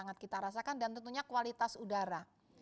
sangat kita rasakan dan tentunya kualitas udara